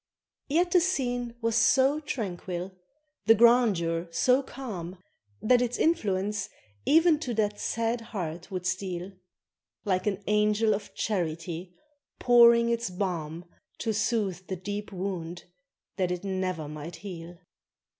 Yet the scene was so tranquil, the grandeur so calm, That its influence e'en to that sad heart would steal; Like an angel of charity pouring its balm To soothe the deep wound that it never might heal.